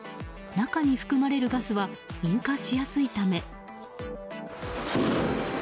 中に含まれるガスは引火しやすいため。